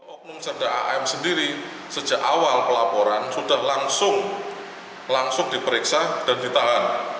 oknum cerda am sendiri sejak awal pelaporan sudah langsung diperiksa dan ditahan